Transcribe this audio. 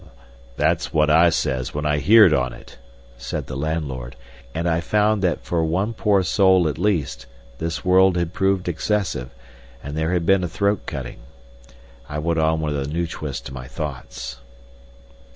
"That's what I says when I heerd on it!" said the landlord, and I found that for one poor soul at least this world had proved excessive, and there had been a throat cutting. I went on with a new twist to my thoughts.